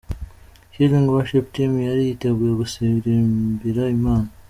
Healing worship team yari yiteguye gusirimbira Imana.